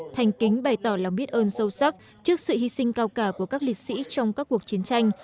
thành kính bày tỏ lòng biết ơn sâu sắc trước sự hy sinh cao cả của các liệt sĩ trong các cuộc chiến tranh